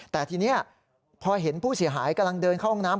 แต่ทีนี้พอเห็นผู้เสียหายกำลังเดินเข้าห้องน้ำ